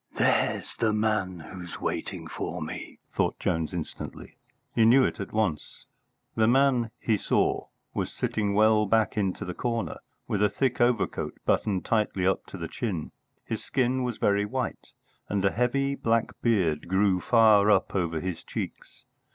"There's the man who's waiting for me!" thought Jones instantly. He knew it at once. The man, he saw, was sitting well back into the corner, with a thick overcoat buttoned tightly up to the chin. His skin was very white, and a heavy black beard grew far up over his cheeks.